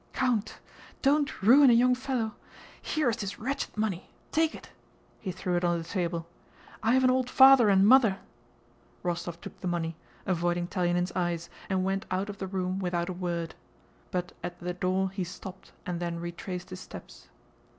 "Count!... Don't ruin a young fellow... here is this wretched money, take it..." He threw it on the table. "I have an old father and mother!..." Rostóv took the money, avoiding Telyánin's eyes, and went out of the room without a word. But at the door he stopped and then retraced his steps.